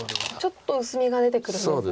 ちょっと薄みが出てくるんですね。